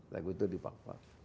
lagu itu di pakpak